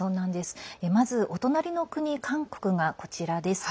まずお隣の国韓国がこちらです。